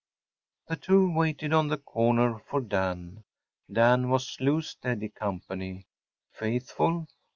The two waited on the corner for Dan. Dan was Lou’s steady company. Faithful?